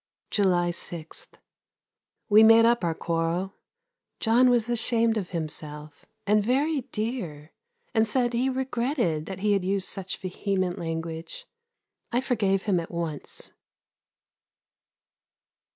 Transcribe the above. July 6. We made up our quarrel. John was ashamed of himself, and very dear, and said he regretted that he had used such vehement language. I forgave him at once.